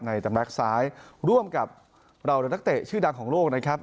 ในดำลักซ้ายร่วมกับราวรักเตะชื่อดังของโลกนะครับ